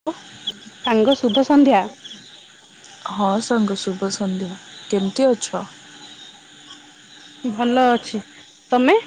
[unintelligible] ସାଙ୍ଗ ଶୁଭ ସନ୍ଧ୍ୟା। ହଁ ସାଙ୍ଗ ଶୁଭ ସନ୍ଧ୍ୟା। କେମିତି ଅଛ? ଭଲ ଅଛି, ତମେ?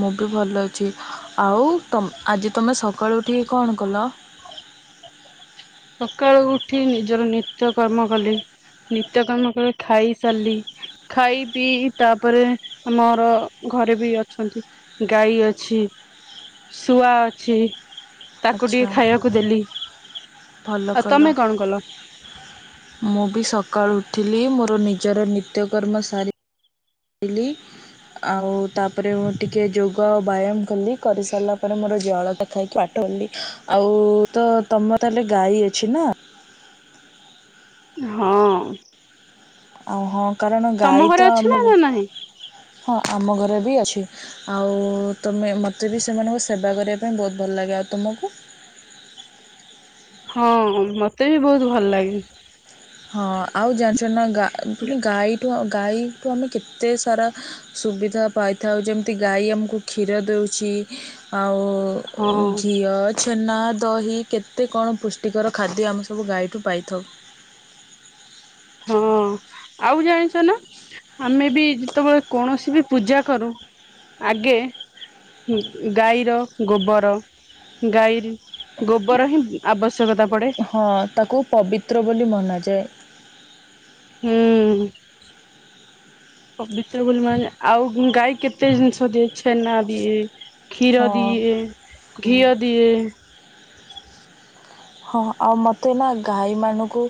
ମୁଁ ବି ଭଲ ଅଛି, ଆଉ ତ ଆଜି ତମେ ସକାଳୁ ଉଠିକି କଣ କଲ? ସକାଳୁ ଉଠି ନିଜର ନିତ୍ୟକର୍ମ କଲେ ନିତ୍ୟକର୍ମ କଲେ ଖାଇସାରିଲି ଖାଇ ପିଇ ତାପରେ ଆମର ଘରେ ବି ଅଛନ୍ତି। ଗାଈ ଅଛି, ଶୁଆ ଅଛି ତାକୁ ଆଚ୍ଛା ଟିକେ ଖାଇବାକୁ ଦେଲି। ଭଲ ଆଉ ତମେ କଲ। କଣ ମୁଁ ବି ସକାଳୁ ଉଠିଲି ମୋର ନିଜର ନିତ୍ୟକର୍ମ ସାରି ଲି ଆଉ ତାପରେ ମୁଁ ଟିକେ ଯୋଗ ଆଉ ବ୍ୟାୟାମ କଲି କରିସାରିଲା ପରେ ମୋର ଜଳଟା ଖାଇକି ବା ଟ ଆଉ ତ ତମର ତାହେଲେ ଗାଈ ଅଛି ନା? ହଁ। ଆଉ ହଁ କାରଣ ତମ ଗାଈ ଘରେ ତ ଅଛି ନା ଆମ, ନା ନାହିଁ? ହଁ ଆମ ଘରେ ବି ଅଛି। ଆଉ ତମେ ମୋତେ ବି ସେମାନଙ୍କୁ ସେବା କରିବା ପାଇଁ ବହୁତ ଭଲ ଲାଗେ। ଆଉ ତୁମକୁ? ହଁ, ମତେ ବି ବହୁତ ଭଲ ଲାଗେ। ହଁ, ଆଉ ଜାଣିଛ ନା ଗା ଗାଈ ଠୁ ଗାଈଠୁ ଆମେ କେତେ ସାରା ସୁବିଧା ପାଇଥାଉ ଯେମିତି ଗାଈ ଆମକୁ କ୍ଷୀର ଦେଉଛି, ଆଉ ହଁ ଘିଅ ଛେନା, ଦହି କେତେ କଣ ପୁଷ୍ଟିକର ଖାଦ୍ୟ ଆମେ ସବୁ ଗାଈଠୁ ପାଇଥାଉ। ହଁ, ଆଉ ଜାଣିଛ ନା ଆମେ ବି ଯେତେବେଳେ କୌଣସି ବି ପୂଜା କରୁ ଆଗେ ଗାଈର ଗୋବର ଗାଈ ଗୋବର ହିଁ ଆବଶ୍ୟକତା ପଡେ। ହଁ, ତାକୁ ପବିତ୍ର ବୋଲି ମନାଯାଏ। ହୁଁ। [inaudible] ପବିତ୍ର ବୋଲି ମା ଆଉ ଗାଈ କେତେ ଜିନିଷ ଦିଏ ଛେନା ଦିଏ କ୍ଷୀର ହଁ। ଦିଏ, ଘିଅ ଦିଏ ହଁ, ଆଉ ମୋତେ ନା ଗାଈମାନଙ୍କୁ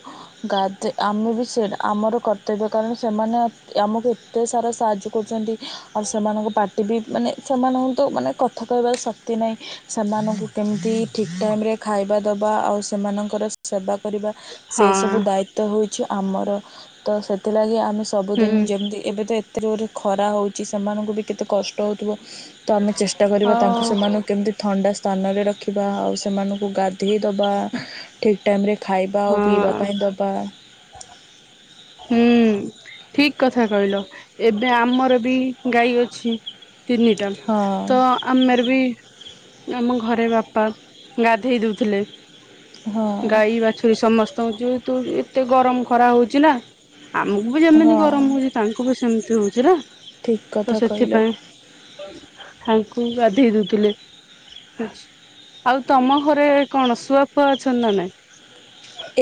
ଗା ଦେ ଆମେ ବି ସେ ଆମର କର୍ତ୍ତବ୍ୟ କାରଣ ସେମାନେ ଆମକୁ ଏତେ ସାରା ସାହାଯ୍ୟ କରୁଛନ୍ତି ଆଉ ସେମାନଙ୍କ ପାଟିବି ମାନେ ସେମାନଙ୍କୁ ତ ମାନେ କଥା କହିବାର ଶକ୍ତି ନାହିଁ ସେମାନଙ୍କୁ କେମିତି ଠିକ୍ ଟାଇମ ରେ ଖାଇବା ଦ ବା ଆଉ ସେମାନଙ୍କର ସେବା କରିବା ସେ ହଁ ସବୁ ଦାୟି ତ ହଉଚି ଆମର ତ ସେଥିଲାଗି ଆମେ ସବୁଦିନ୍ ହୁଁ ଯେମ୍ତି ଏବେ ତ ଏତେ ଜୋରେ ଖରା ହଉଚି ସେମାନଙ୍କୁ ବି କେତେ କଷ୍ଟ ହଉଥିବ ତ ଆମେ ଚେଷ୍ଟା କରିବା ତାଙ୍କୁ ଆଉ ସେମାନ କେମ୍ତି ଥଣ୍ଡା ସ୍ଥାନରେ ରଖିବା ଆଉ ସେମାନଙ୍କୁ ଗାଧେଇ ଦବା ଠିକ୍ ଟାଇମ୍ ରେ ଖାଇବା ହଁ ଆଉ ପିଇବା ପାଇଁ ଦବା। ହୁଁ ଠିକ୍ କଥା କହିଲ ଏବେ ଆମର ବି ଗାଈ ଅଛି। ତିନିଟା ହଁ ତ ଆମେର ବି ଆମ ଘରେ ବାପା ଗାଧେଇ ଦଉଥିଲେ। ହଁ ଗାଈ ବାଛୁରୀ ସମସ୍ତଙ୍କୁ ଯେହେତୁ ଏତେ ଗରମ୍ ଖରା ହଉଚି ନା ଆମକୁ ବି ଯେମିତି ହଁ ଗରମ୍ ହଉଚି ତାଙ୍କୁ ବି ସେମ୍ତି ହଉଚି ନା ଠିକ୍ ତ କଥା କହିଲ ସେଥିପାଇଁ ତାଙ୍କୁ ଗାଧେଇ ଦଉଥିଲେ। ଆଉ ତମ ଘରେ କଣ ଶୁଆ ଫୁଆ ଅଛନ୍ତି ନା ନାଇଁ?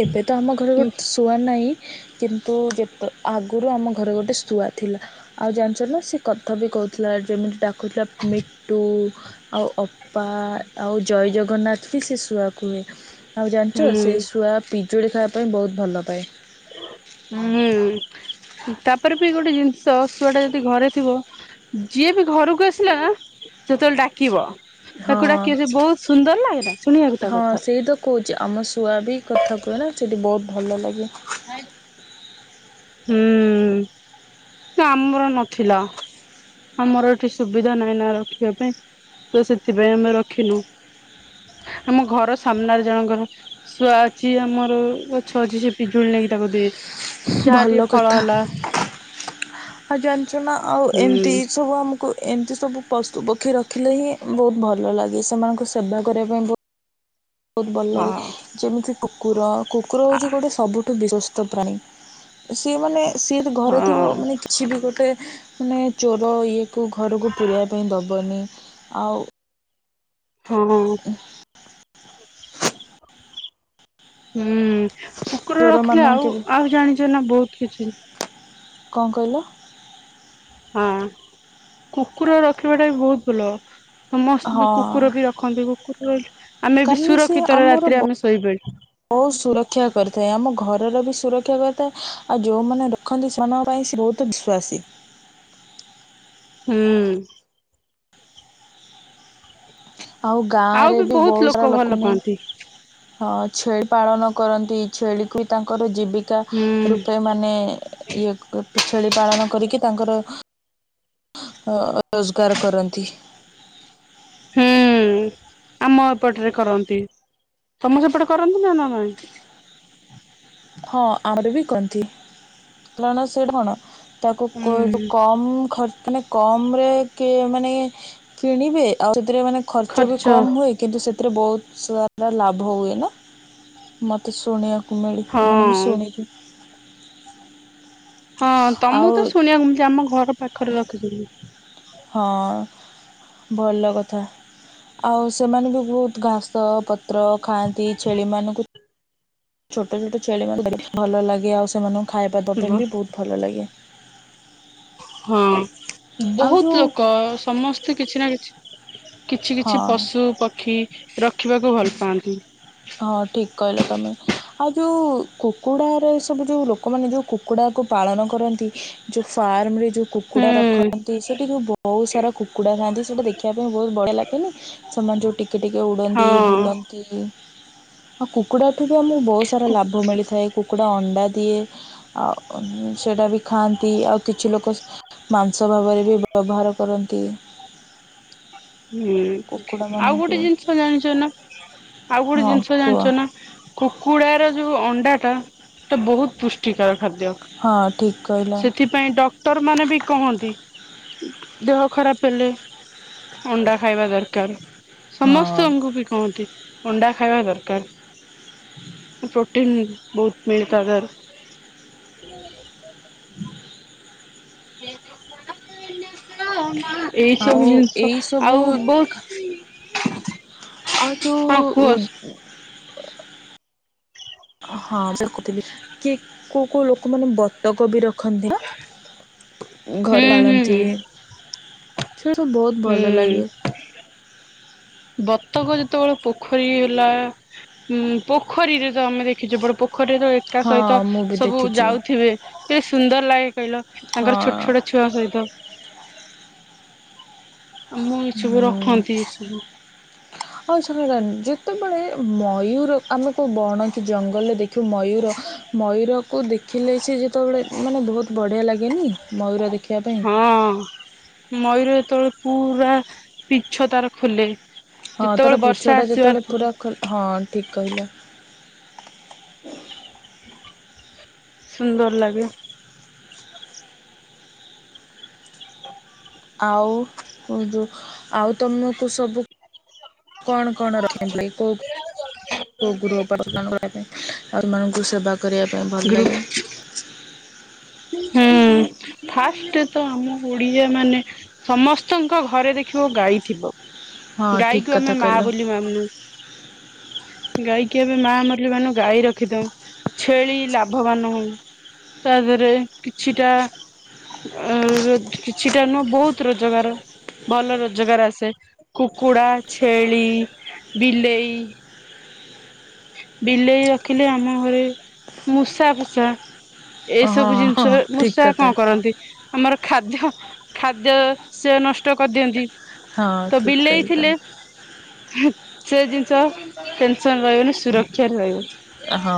ଏବେ ତ ଆମ ଘରେ ଗୋଟେ ଶୁଆ ନାଇଁ କିନ୍ତୁ ଯେତ ଆଗରୁ ଆମ ଘରେ ଗୋଟେ ଶୁଆ ଥିଲା। ଆଉ ଜାଣିଚ ନା ସେ କଥା ବି କହୁଥିଲା ଯେମିତି ଡାକୁଥିଲା ମିଟୁ ଆଉ ଅପା ଆଉ ଜୟ ଜଗନ୍ନାଥ ବି ସେ ଶୁଆ କୁହେ। ଆଉ ଜାଣିଚ ହୁଁ ସେଇ ଶୁଆ ପିଜୁଳି ଖାଇବା ପାଇଁ ବହୁତ୍ ଭଲ ପାଏ। ହୁଁ ତାପରେ ବି ଗୋଟେ ଜିନିଷ ଶୁଆ ଟା ଯଦି ଘରେ ଥିବ ଯିଏ ବି ଘରକୁ ଆସିଲା ନା ସେତବଳେ ଡାକିବ। ତାକୁ ଡାକିବ ସେ ହଁ ବହୁତ୍ ସୁନ୍ଦର୍ ଲାଗେନା ଶୁଣିବାକୁ ତା କଥା। କହୁଚି ଆମ ଶୁଆ ବି କଥା କୁହେ ନା ସେଇଠି ବହୁତ୍ ଭଲ ଲାଗେ। ହୁଁ ତ ଆମର ନଥିଲା। ଆମର ଏଠି ସୁବିଧା ନାହିଁ ନା ରଖିବା ପାଇଁ ତ ସେଥିପାଇଁ ଆମେ ରଖିନୁ। ଆମ ଘର ସାମ୍ନାରେ ଜଣଙ୍କର ଶୁଆ ଅଛି ଆମର ଗଛ ଅଛି ସେ ପିଜୁଳି ନେଇକି ତାକୁ ଦିଏ ଯାହା ଭଲ ଟିକେ ଫଳ କଥା ହେଲା ଆଉ ଜାଣିଚନା ଆଉ ଏମ୍ତି ହୁଁ ସବୁ ଆମକୁ ଏମ୍ତି ସବୁ ପଶୁ ପକ୍ଷୀ ରଖିଲେ ହିଁ ବହୁତ୍ ଭଲ ଲାଗେ ସେମାନଙ୍କ ସେବା କରିବା ପାଇଁ ବହୁତ୍ ଭଲ ହଁ ଲାଗେ ଯେମିତି କୁକୁର-କୁକୁର ହଉଚି ଗୋଟେ ସବୁ ଠୁ ବିଶ୍ୱସ୍ତ ପ୍ରାଣୀ ସିଏ ମାନେ ସିଏ ଯଦି ଘରେ ହଁ ଥିବ ମାନେ କିଛି ବି ଗୋଟେ ମାନେ ଚୋର ଇଏକୁ ଘରକୁ ପୁରେଇବା ପାଇଁ ଦବନି, ଆଉ ହଁ-ହଁ। [inaudible] ହୁଁ କୁକୁର ରଖିଲେ ଚୋରମାନଙ୍କୁ କେବେ ଆଉ-ଆଉ ଜାଣିଛ ନା ବହୁତ୍ କିଛି କଣ କହିଲ? ହଁ କୁକୁର ରଖିବାଟା ବି ବହୁତ୍ ଭଲ। ସମସ୍ତେ ବି ହଁ କୁକୁର ବି ରଖନ୍ତି କୁକୁର ଆମେ ବି କାରଣ ସୁରକ୍ଷିତ ରେ ରାତିରେ ଆମେ ଶୋଇପାରିଆ। ବହୁ ସୁରକ୍ଷା କରିଥାଏ ଆମ ଘରର ବି ସୁରକ୍ଷା କରିଥାଏ ଆଉ ଯୋଉମାନେ ରଖନ୍ତି ସେମାନଙ୍କ ପାଇଁ ସେ ବହୁତ୍ ବିଶ୍ୱାସୀ। ହୁଁ। ଆଉ ଗାଁରେ ବି ବହୁତ୍ ସାରା ଲୋକ [unintelligible] ହଁ ଛେଳି ପାଳନ କରନ୍ତି ଛେଳିକୁ ବି ତାଙ୍କର ଜୀବିକା ହୁଁ। ରୂପେ ମାନେ ଇଏ ଛେଳି ପାଳନ କରିକି ତାଙ୍କର [unintelligible] ରୋଜଗାର କରନ୍ତି। ହୁଁ ଆମ ଏପଟରେ କରନ୍ତି ତମ ସେପଟେ କରନ୍ତି ନା-ନା ନାଇଁ? ହଁ ଆମର ବି କରନ୍ତି [inaudible] ତାକୁ କହିବୁ ହୁଁ କମ୍ ଖ ମାନେ କମ ରେ କି ମାନେ କିଣିବେ ଆଉ ସେଥିରେ ମାନେ ଖର୍ଚ୍ଚ ବି କମ ହୁଏ କିନ୍ତୁ ସେଥିରେ ବହୁତ ସାରା ଲାଭ ହୁଏ ନା ମୋତେ ଶୁଣିବାକୁ ମିଳି ହଁ ମାନେ ମୁଁ ଶୁଣିଥି ହଁ ତମକୁ ଆଉ ତ ଶୁଣିବାକୁ ଆମ ଘର ପାଖରେ ରଖିଛନ୍ତି [unintelligible] ହଁ। ଭଲ କଥା ଆଉ ସେମାନେ ବି ବହୁତ ଘାସ ପ ପତ୍ର ଖାଆନ୍ତି। ଛେଳିମାନଙ୍କୁ ଛୋଟ ଛୋଟ ଛେଳି -ମାନେ- ଭଲ ଲାଗେ ଆଉ ସେମାନଙ୍କୁ ଖାଇବାବ ବ ପାଇଁ ବି ବହୁତ ଭଲ ଲାଗେ। ହଁ ଆଉ ବହୁତ ଯୋଉ ଲୋକ ସମସ୍ତେ କିଛି ନା କିଛି କିଛି ହଁ କିଛି ପଶୁ ପକ୍ଷୀ ରଖିବାକୁ ଭଲ ପାଆନ୍ତି। ହଁ ଠିକ କହିଲ ତମେ। ଆଉ ଯେଉଁ କୁକୁଡ଼ାରେ ସବୁ ଯେଉଁ ଲୋକମାନେ ଯେଉଁ କୁକୁଡ଼ାକୁ ପାଳନ କରନ୍ତି ଯେଉଁ ଫାର୍ମରେ ଯୋଉ ହୁଁ କୁକୁଡ଼ା ରଖନ୍ତି ସେଠି ଯେଉଁ ବହୁତ ସାରା କୁକୁଡ଼ା ଥାଆନ୍ତି ସେଇଟା ଦେଖିବା ପାଇଁ ମୁଁ ବହୁତ ବଢ଼ିଆ ଲାଗେ ନା ସେମାନେ ଯୋଉ ଟିକେ ଟିକେ ଉଡନ୍ତି ହଁ ବୁଲନ୍ତି। ଆଉ କୁକୁଡ଼ା ଠୁ ବି ଆମକୁ ବହୁତ ସାରା ଲାଭ ମିଳିଥାଏ। କୁକୁଡ଼ା ଅଣ୍ଡା ଦିଏ। ଆଉ ସେଇଟା ବି ଖାଆନ୍ତି। ଆଉ କିଛି ଲୋକ ମାଂସ ଭାବରେ ବି ବ୍ୟବହାର କରନ୍ତି। ହୁଁ, ଆଉ ଗୋଟେ କୁକୁଡ଼ାମାନଙ୍କୁ ଜିନିଷ ଜାଣିଛ ନା ଆଉ ଗୋଟେ ହଁ ଜିନିଷ କୁହ ଜାଣିଛ ନା କୁକୁଡା ର ଯୋଉ ଅଣ୍ଡା ଟା ତ ବହୁତ ପୁଷ୍ଟ ପୃଷ୍ଟିକର ଖାଦ୍ୟ। ହଁ ଠିକ୍ କହିଲ ସେଥି ପାଇଁ ଡକ୍ଟର ମାନେ ବି କହନ୍ତି ଦେହ ଖରାପ ହେଲେ ଅଣ୍ଡା ଖାଇବା ଦରକାର। ହଁ ସମସ୍ତେ ଆମକୁ ବି କହନ୍ତି ଅଣ୍ଡା ଖାଇବା ଦରକାର। ପ୍ରୋଟିନ୍ ବହୁତ ମିଳେ ତା ଦେହରୁ। ଏଇ ଆଉ ସବୁ ଜିନିଷ ଏଇସବୁ ଆଉ ବହୁତ ଆଉ ତୁ ହଁ କୁହ ଉ ହଁ ଦେଖୁଥିଲି କିଏ କୋଉ କୋଉ ଲୋକ ମାନେ ବତକ ବି ରଖୁ ରଖନ୍ତି ନା ହୁଁ ଘରେ ହୁଁ ପାଳନ୍ତି। ହୁଁ ସେଟା ସବୁ ବହୁତ ଭଲ ଲାଗେ ହୁଁ। ବତକ ଯେତେବେଳେ ପୋଖରୀ ହେଲା ଉଁ ପୋଖରୀରେ ତ ଆମେ ଦେଖିଛୁ ବଡ ପୋ ପୋଖରୀର ଏକା ହଁ ସହିତ ମୁଁ ବି ସବୁ ଦେଖିଛି ଯାଉଥିବେ କେତେ ସୁନ୍ଦର ଲାଗେ। କହିଲ ତାଙ୍କର ଛୋଟ ଛୋଟ ଛୁଆ ସହିତ। ଆଉ ମୋ [unintelligible] ଏସବୁ ରଖନ୍ତି ଏସବୁ। ହଉ [unintelligible] ଯେତେବେଳେ ମୟୂର ଆମେ କେଉଁ ବଣ କି ଜଙ୍ଗଲରେ ଦେଖିବୁ ମୟୂର ମୟୂରକୁ ଦେଖିଲେ ସେ ଯେତେବେଳେ ମାନେ ବହୁତ ବଢିଆ ଲାଗେନି ମୟୂର ଦେଖିବା ପାଇଁ। ହଁ ମୟୂର ଯେତେବେଳେ ପୁରା ପିଚ୍ଛ ତାର ଖୋଲେ। ହଁ ଯେତେବେଳେ ତାର ବର୍ଷା ପୂଚ୍ଛଟା ଆସିବାର ଯେତେବେଳେ ପୁରା ଖୋଲେ ହଁ ଠିକ୍ କହିଲ। ସୁନ୍ଦର ଲାଗେ। ଆଉ ଯୋଉ ଆଉ ତମକୁ ସବୁ କଣ କଣ ରହ ଭାଇ କୋଉ। [unintelligible] ଆ ମାଙ୍କୁ ସେବା କରିବା ପାଇଁ ଭଲ ଗ୍ରୁ ଲାଗେ। ହୁଁ। ଫାଷ୍ଟ ତ ଆମ ଓଡିଆ ମାନେ ସମସ୍ତଙ୍କ ଘରେ ଦେଖିବ ଗାଈ ଥିବ। ହଁ ଗାଈ ଠିକ୍ କୁ ଆମେ କଥା ମା କହିଲ ବୋଲି ମାନୁ। ଗାଈକି ଏବେ ମା ମାରିଲ ମାନ ଗାଈ ରଖି ଦଉ ଛେଳି ଲାଭବାନ ହୋଉ। ତା ଦେହରେ କିଛିଟା। କିଛିଟା ନୁହଁ ବହୁତ ରୋଜଗାର। ଭଲ ରୋଜଗାର ଆସେ କୁକୁଡା ଛେଳି ବିଲେଇ। ବିଲେଇ ରଖିଲେ ଆମ ଘରେ ମୂଷା ଫୂଷା। ହଁ ଏଇସବୁ ହଁ ଜିନିଷରେ ଠିକ୍ ମୂଷା କଥା କଣ କରନ୍ତି। ଆମର ଖାଦ୍ୟ ଖାଦ୍ୟ ସେ ନଷ୍ଟ କରିଦିଅନ୍ତି। ହଁ ତ ଠିକ୍ ବିଲେଇ କହିଲ। ଥିଲେ ସେ ଜିନିଷ ଟେନସନ ରହିବନି ସୁରକ୍ଷାରେରେ ରହିବ। ହଁ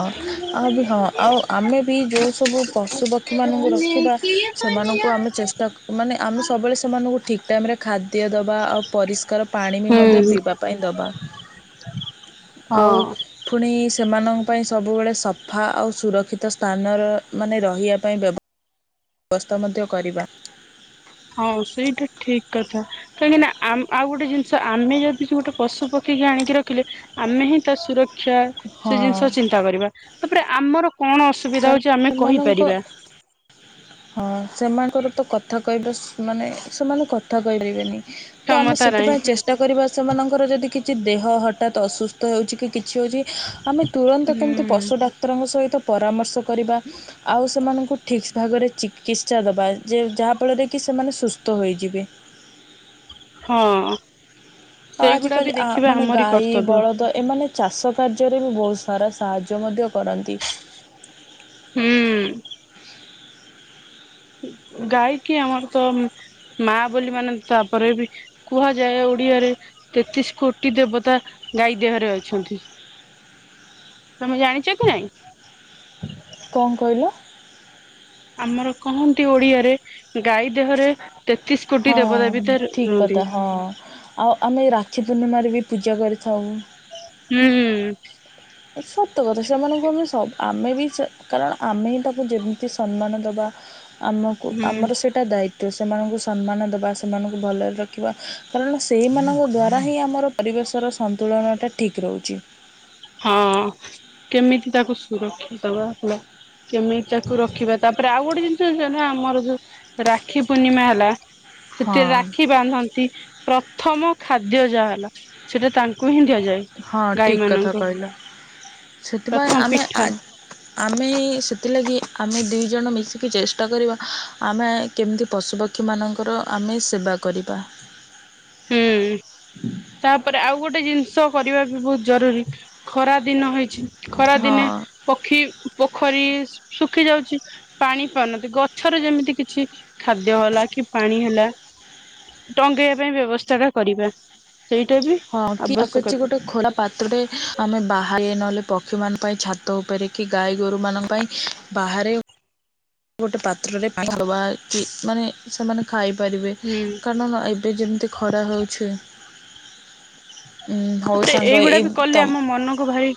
ଆଉ ବି ହଁ ଆଉ ଆମେ ବି ଯେଉଁ ସବୁ ପଶୁପକ୍ଷୀମାନଙ୍କୁ ରଖିବା। ସେମାନଙ୍କୁ ଆମେ ଚେଷ୍ଟା ମାନେ ଆମେ ସବୁବେଳେ ସେମାନଙ୍କୁ ଠିକ ଟାଇମ ରେ ଖାଦ୍ୟ ଦବା ଆଉ ପରିଷ୍କାର ପାଣି ବି ମଧ୍ୟ ହୁଁ ପିଇବା ପାଇଁ ଦବା ଆଉ। ହଁ। ପୁଣି ସେମାନଙ୍କ ପାଇଁ ସବୁବେଳେ ସଫା ଆଉ ସୁରକ୍ଷିତ ସ୍ଥାନର ମାନେ ରହିବା ପାଇଁ ବ୍ୟବ ବ୍ୟବସ୍ଥା ମଧ୍ୟ କରିବା। ହଉ ସେଇଟା ଠିକ କଥା। କାହିଁକିନା ଆ ଆଉ ଗୋଟେ ଜିନିଷ ଆମେ ଯଦି ଗୋଟେ ପଶୁ ପକ୍ଷୀକି ଆଣିକି ରଖିଲେ ଆମେ ହିଁ ତା ସୁରକ୍ଷା ହଁ ସେ ଜିନିଷ ଚିନ୍ତା କରିବା ତାପରେ ଆମର କଣ ଅସୁବିଧା କାରଣ ହଉଛି ଆମେ ସେମାନଙ୍କ କହିପାରିବା। ହଁ ସେମାନଙ୍କର ତ କଥା କହିବା ମାନେ ସେମାନଙ୍କୁ କଥା କହିପାରିବେନି। ତ ଆମେ କ୍ଷମତା ନାହିଁ ସେଥିପାଇଁ ଚେଷ୍ଟା କରିବା ସେମାନଙ୍କର ଯଦି କିଛି ଦେହ ହଠାତ୍ ଅସୁସ୍ଥ ହେଉଛି କି? କିଛି ହେଉଛି ଆମେ ତୁରନ୍ତ କେମିତି ପଶୁ ଡା ଡାକ୍ତରଙ୍କ ସହିତ ପରାମର୍ଶ କରିବା ଆଉ ସେମାନଙ୍କୁ ଠିକ୍ ଭାବରେ ଚିକିତ୍ସା ଦେବା ଯେ ଯାହାଫଳରେ କି ସେମାନେ ସୁସ୍ଥ ହୋଇଯିବେ। ହଁ। ଆଉ ସେଇଗୁଡା ବି ଆଜିକାଲି ଆ ଦେଖିବା ମାନେ ଆମରି ଗାଈ କର୍ତ୍ତବ୍ୟ ବଳଦ ଏମାନେ ଚାଷ କାର୍ଯ୍ୟରେ ବି ବହୁତ ସାରା ସାହାଯ୍ୟ ମଧ୍ୟ କରନ୍ତି। ହୁଁ। ଗାଈ କିି ଆମର ତ ମା ବୋଲି ମାନେ ତାପରେ ବି କୁହାଯାଏ ଓଡିଆରେ ତେତିଶ କୋଟି ଦେବତା ଗାଈ ଦେହରେ ଅଛନ୍ତି। ତମେ ଜାଣିଛ କି ନାଇଁ। କଣ କହିଲ? ଆମର କହନ୍ତି ଓଡିଆରେ ଗାଈ ଦେହରେ ତେତିଶ ହଁ କୋଟି ଦେବଦବୀତା ଠିକ୍ କଥା ରୁହନ୍ତି। ହଁ। ଆଉ ଆମେ ରାକ୍ଷୀ ପୂର୍ଣ୍ଣିମାରେ ବି ପୂଜା କରିଥାଉ। ହୁଁ। ସତ କଥା ସେମାନଙ୍କୁ ଆମେ ବି କାରଣ ଆମେ ହିଁ ତାକୁ ଯେମିତି ସମ୍ମାନ ଦେବା ଆମକୁ ହୁଁ ଆମର ସେ ଟା ଦାୟିତ୍ୱ ସେମାନଙ୍କୁ ସମ୍ମାନ ଦେବା ସେମାନଙ୍କୁ ଭଲରେ ରଖିବା କାରଣ ସେଇମାନଙ୍କ ଦ୍୍ୱାରା ହିଁ ଆମର ପରିବେଶର ସନ୍ତୁଳନଟା ଠିକ୍ ରହୁଛି। ହଁ କେମିତି ତାକୁ ସୁରକ୍ଷିତ ଦେବା। କେମିତି ତାକୁ ରଖିବା। ତାପରେ ଆଉ ଗୋଟେ ଜିନିଷ ଯାହା ଆମର ଯୋଉ ରାକ୍ଷୀ ପୂର୍ଣ୍ଣିମା ହେଲା ସେଥିରେ ହଁ ରାକ୍ଷୀ ବାନ୍ଧନ୍ତି। ପ୍ରଥମ ଖାଦ୍ୟ ଯାହା ହେଲା ସେଟା ତାଙ୍କୁ ହିଁ ଦିଆଯାଏ। ହଁ ଗାଈ ଠିକ୍ କଥା ମାନଙ୍କୁ କହିଲ ସେଥିପାଇଁ ପ୍ରଥମ ଆମେ ପିଠା ଆଜ୍ ଆମେ ସେଥିଲାଗି ଆମେ ଦିଇ ଜଣ ମିଶିକି ଚେଷ୍ଟା କରିବା ଆମେ କେମ୍ତି ପଶୁପକ୍ଷୀମାନଙ୍କର ଆମେ ସେବା କରିବା। ହୁଁ। ହ ତାପରେ ଆଉ ଗୋଟେ ଜିନ୍ଷ କରିବା ବି ବହୁତ୍ ଜରୁରୀ ଖରାଦିନ ହେଇଛି। ହଁ ଖରାଦିନେ ପକ୍ଷୀ ପୋଖରୀ ଶୁଖିଯାଉଚି। ପାଣି ପାଉନାହାନ୍ତି। ଗଛର ଯେମିତି କିଛି ଖାଦ୍ୟ ହେଲା କି ପାଣି ହେଲା। ଟଙ୍ଗେଇବା ପାଇଁ ବ୍ୟବସ୍ଥାଟା କରିବା। ସେଇଟା ବି ହଁ କି ଆ କିଛି ଆବଶ୍ୟକତା ଗୋଟେ ଖୋରା ପାତ୍ରରେ ଆମେ ବାହାରେ ନହେଲେ ପ କ୍ଷୀମାନଙ୍କ ପାଇଁ ଛାତ ଉପରେ କି ଗାଈ ଗୋରୁମାନଙ୍କ ପାଇଁ ବାହାରେ ଗୋଟେ ପାତ୍ରରେ ପା ହବା କି ମାନେ ସେମାନେ ଖାଇ ପାରିବେ ହୁଁ କାରଣ ଏବେ ଯେମିତି ଖରା ହେଉଛି। ଉଁ ହଉ ତାପରେ ସାଙ୍ଗ ଏଇଗୁଡା ଏଇ ବି କଲେ ତମ୍ ଆମ ମନକୁ ଭାରି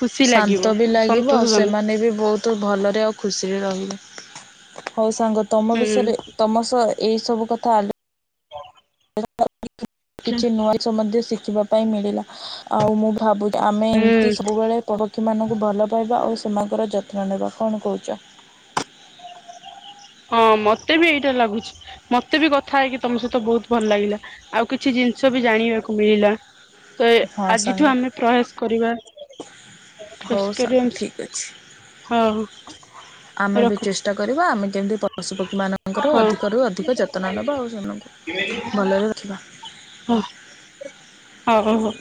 ଖୁସି ଲାଗିବ ଶାନ୍ତ ବି ଲାଗିବ ସନ୍ତୋଷ ଆଉ ଜନକ ସେମାନେ ବି ବହୁତ୍ ତ ଭଲରେ ଆଉ ଖୁସିରେ ରହିଲେ। ହଉ ସାଙ୍ଗ ତମ ବିଷୟରେ ହୁଁ ତମ ସହ ଏଇ ସବୁ କଥା ଆଲ ହ କିଛି ନୂଆ ମଧ୍ୟ ଶିଖିବା ପାଇଁ ମିଳିଲା ଆଉ ମୁଁ ଭାବୁ ଆମେ ହୁଁ ଏମ୍ତି ସବୁବେଳେ [unintelligible] ଭଲ ପାଇବା ଆଉ ସେମାନଙ୍କର ଯତ୍ନ ନେବା କଣ କହୁଚ? ହଁ ମତେ ବି ଏଇଟା ଲାଗୁଛି ମତେ ବି କଥା ହେଇକି ତମ ସହିତ ବହୁତ୍ ଭଲ ଲାଗିଲା। ଆଉ କିଛି ଜିନ୍ଷ ବି ଜାଣିବାକୁ ମିଳିଲା। ତ ହଁ ସାଙ୍ଗ ଆଜିଠୁ ଆମେ ପ୍ରୟାସ୍ କରିବା। ହଉ ସାଙ୍ଗ ଠିକ୍ ଅଛି। [unintelligible] ହଁ ଆମେ ବି ରଖୁଛି। ଚେଷ୍ଟା କରିବା ଆମେ ଯେମିତି ପଶୁପକ୍ଷୀମାନ ଙ୍କର ହଁ ଅଧିକରୁ ଅଧିକ ଯତ୍ନ ନେବା ଆଉ ସେମାନଙ୍କୁ ଭଲରେ ରଖିବା। ହ ଓ ହ ହ‌ ହ‌